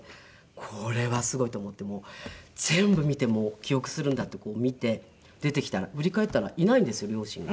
これはすごいと思って全部見てもう記憶するんだってこう見て出てきたら振り返ったらいないんですよ両親が。